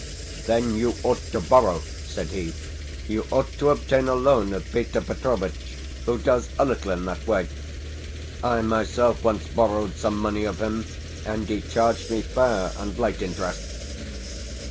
"Then you ought to borrow," said he. "You ought to obtain a loan of Peter Petrovitch, who does a little in that way. I myself once borrowed some money of him, and he charged me fair and light interest."